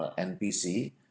dan juga para atlet